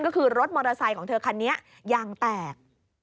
ก็คือรถมอเตอร์ไซค์ของเธอคันนี้ยางแตก